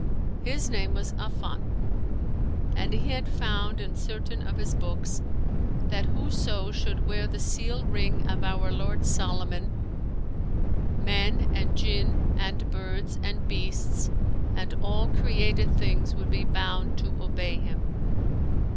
His name was Affan; and he had found in certain of his books, that whoso should wear the seal ring of our lord Solomon, men and Jinn and birds and beasts and all created things would be bound to obey him.